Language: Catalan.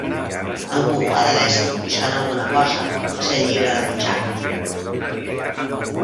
Algú ha d'haver estat buscant alguna cosa, potser el llibre de butxaca.